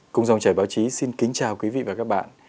cùng dòng chảy báo chí xin kính chào quý vị và các bạn